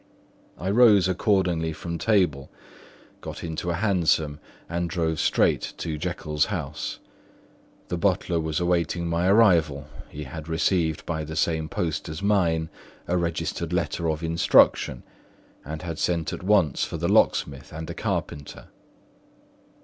I rose accordingly from table, got into a hansom, and drove straight to Jekyll's house. The butler was awaiting my arrival; he had received by the same post as mine a registered letter of instruction, and had sent at once for a locksmith and a carpenter.